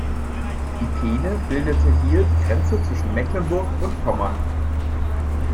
Die Peene bildete hier die Grenze zwischen Mecklenburg und Pommern.